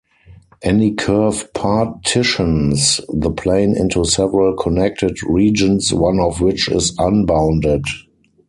Any curve partitions the plane into several connected regions, one of which is unbounded.